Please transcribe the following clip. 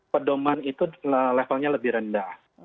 pedoman itu levelnya lebih rendah